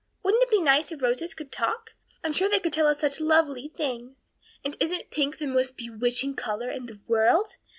Wouldn't it be nice if roses could talk? I'm sure they could tell us such lovely things. And isn't pink the most bewitching color in the world?